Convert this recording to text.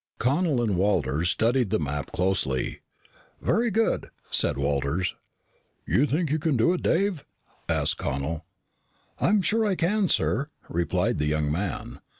Connel and Walters studied the map closely. "Very good," said Walters. "You think you can do it, Dave?" asked Connel. "I'm sure I can, sir," replied the young man.